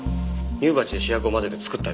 乳鉢で試薬を混ぜて作ったりするんだ。